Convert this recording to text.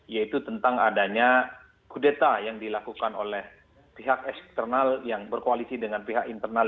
yaitu tentang adanya kudeta yang dilakukan oleh pihak eksternal yang berkoalisi dengan pihak internal